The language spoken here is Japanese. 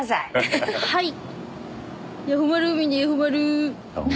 はい。